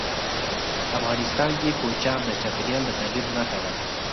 افغانستان کې کوچیان د چاپېریال د تغیر نښه ده.